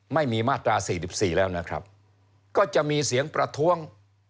ไม่มีมาตรา๔๔แล้วนะครับก็จะมีเสียงประท้วง